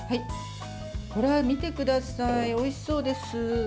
見てください、おいしそうです。